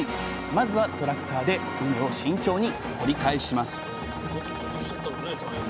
まずはトラクターで畝を慎重に掘り返します